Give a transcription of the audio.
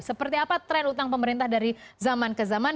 seperti apa tren utang pemerintah dari zaman ke zaman